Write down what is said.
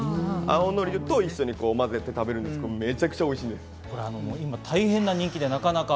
青のりと一緒に混ぜて食べるんですけど、めちゃくちゃおいしいで今、大変な人気でなかなか。